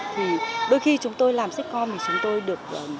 thì đôi khi chúng tôi làm sitcom thì chúng tôi được